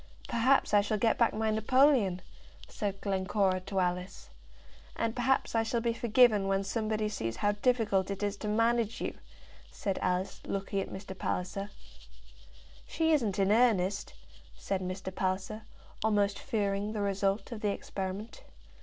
"Perhaps I shall get back my napoleon," said Glencora to Alice. "And perhaps I shall be forgiven when somebody sees how difficult it is to manage you," said Alice, looking at Mr. Palliser. "She isn't in earnest," said Mr. Palliser, almost fearing the result of the experiment.